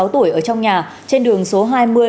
bốn mươi sáu tuổi ở trong nhà trên đường số hai mươi